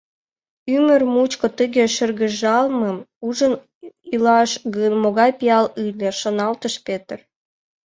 «Ӱмыр мучко тыге шыргыжалмым ужын илаш гын, могай пиал ыле, — шоналтыш Петер.